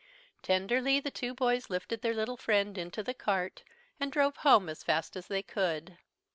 Tenderly the two boys lifted their little friend into the cart, and drove home as fast as they could.